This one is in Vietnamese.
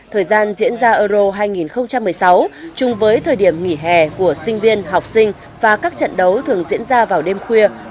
thời gian diễn ra euro hai nghìn một mươi sáu chung với thời điểm nghỉ hè của sinh viên học sinh và các trận đấu thường diễn ra vào đêm khuya